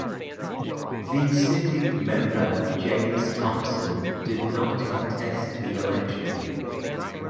The sitting member James Thompson did not contest the election.